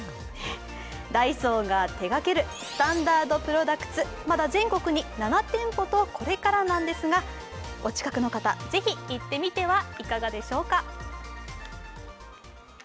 ダイソーが手がけるＳｔａｎｄａｒｄＰｒｏｄｕｃｔｓ、まだ全国に７店舗とこれからなんですが、お近くの方、ぜひ、行ってみてはいかがでしょうか。